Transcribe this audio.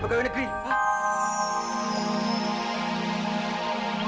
bergaya negeri ah ah ah